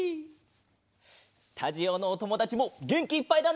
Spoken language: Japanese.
スタジオのおともだちもげんきいっぱいだね！